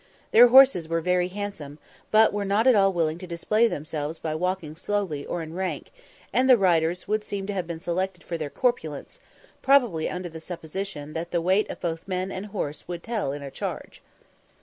Their horses were very handsome, but were not at all willing to display themselves by walking slowly, or in rank, and the riders would seem to have been selected for their corpulence, probably under the supposition that the weight of both men and horses would tell in a charge.